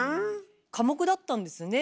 科目だったんですね。